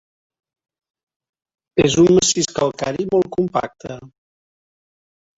És un massís calcari molt compacte.